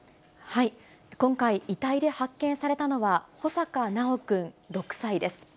今回、遺体で発見されたのは、穂坂修くん６歳です。